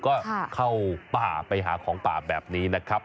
ก็เข้าป่าไปหาของป่าแบบนี้นะครับ